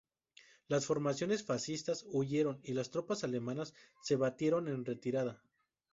Las formaciones fascistas huyeron y las tropas alemanas se batieron en retirada.